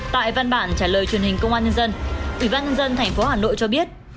tại văn bản trả lời truyền hình công an nhân dân ủy ban nhân dân tp hà nội cho biết